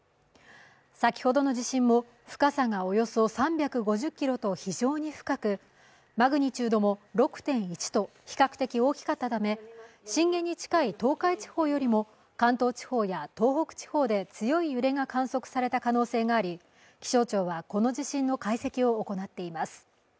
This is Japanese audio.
先ほどの地震も深さがおよそ３５０ｋｍと非常に深くマグニチュードも６．１と比較的大きかったため震源に近い東海地方よりも関東地方や東北地方で強い揺れが観測された可能性があり、気象庁はこの地震の解析を行っています。